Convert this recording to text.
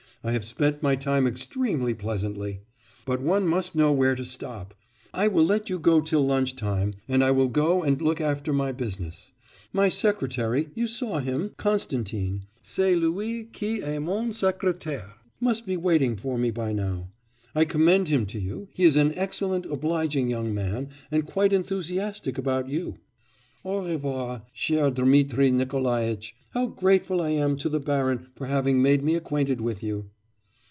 I have spent my time extremely pleasantly. But one must know where to stop. I will let you go till lunch time and I will go and look after my business. My secretary, you saw him Constantin, c'est lui qui est mon secrétaire must be waiting for me by now. I commend him to you; he is an excellent, obliging young man, and quite enthusiastic about you. Au revoir, cher Dmitri Nikolaitch! How grateful I am to the baron for having made me acquainted with you!